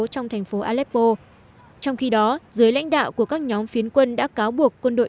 trong thành phố aleppo trong khi đó dưới lãnh đạo của các nhóm phiến quân đã cáo buộc quân đội